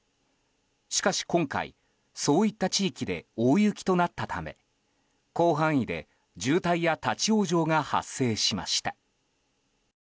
しかし今回、そういった地域で大雪となったため広範囲で渋滞や立ち往生が発生しました。